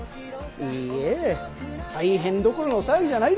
いいえ大変どころの騒ぎじゃないです。